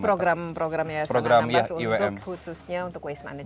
ini program program yayasan anambas untuk khususnya waste management